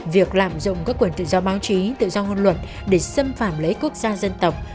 việc lạm dụng các quyền tự do báo chí tự do ngôn luận để xâm phạm lợi quốc gia dân tộc